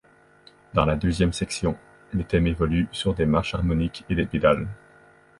Dans la deuxième section, le thème évolue sur des marches harmoniques et des pédales.